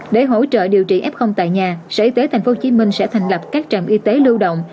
để hỗ trợ điều trị f tại nhà sở y tế tp hcm sẽ thành lập các trạm y tế lưu động